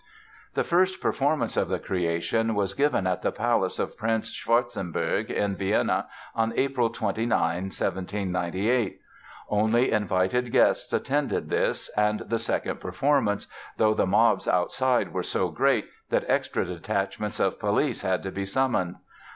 The first performance of "The Creation" was given at the palace of Prince Schwarzenberg in Vienna on April 29, 1798. Only invited guests attended this and the second performance, though the mobs outside were so great that extra detachments of police had to be summoned.